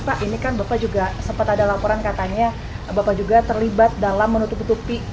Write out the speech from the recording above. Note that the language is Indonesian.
pak ini kan bapak juga sempat ada laporan katanya bapak juga terlibat dalam menutup tutupi